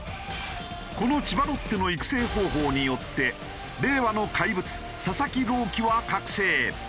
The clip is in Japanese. この千葉ロッテの育成方法によって令和の怪物佐々木朗希は覚醒。